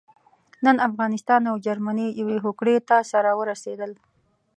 نن افغانستان او جرمني يوې هوکړې ته سره ورسېدل.